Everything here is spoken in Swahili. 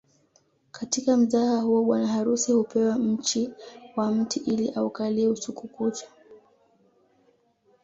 Katika mzaha huo bwana harusi hupewa mchi wa mti ili aukalie usiku kucha